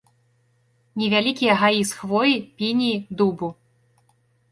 Невялікія гаі з хвоі, пініі, дубу.